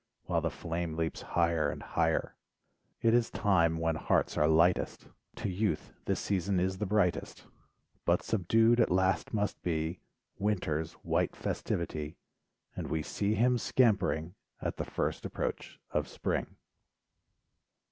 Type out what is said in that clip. While the flame leaps higher and higher, It is time when hearts are lightest, To youth this season is the brightest, But subdued at last must be, "Winter's" white festivity, And we see him scampering, At the first approach of "spring."